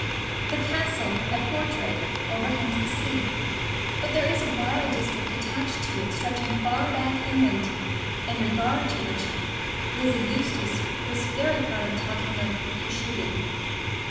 The castle at Portray overhangs the sea, but there is a wild district attached to it stretching far back inland, in regard to which Lizzie Eustace was very proud of talking of "her shooting."